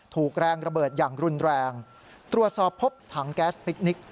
ถูกแรงระเบิดอย่างรุนแรงตรวจสอบพบถังแก๊สพิคนิค